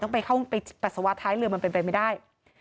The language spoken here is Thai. ไปเข้าไปปัสสาวะท้ายเรือมันเป็นไปไม่ได้